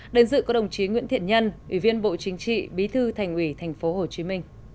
đơn dự có đồng chí nguyễn thiện nhân ủy viên bộ chính trị bí thư thành ủy tp hcm